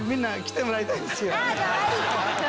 かわいい！